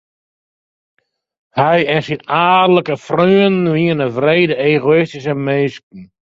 Hy en syn aadlike freonen wiene wrede egoïstyske minsken.